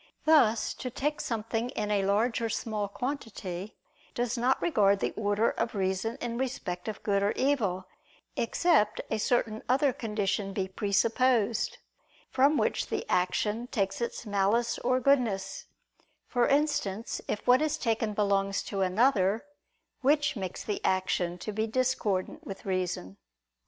Thus to take something in a large or small quantity, does not regard the order of reason in respect of good or evil, except a certain other condition be presupposed, from which the action takes its malice or goodness; for instance, if what is taken belongs to another, which makes the action to be discordant with reason.